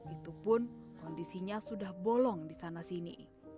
itu pun kondisinya sudah bolong di sana sini